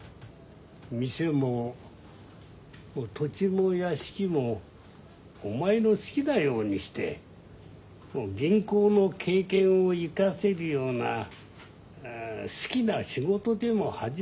店も土地も屋敷もお前の好きなようにして銀行の経験を生かせるような好きな仕事でも始めたらどうだい？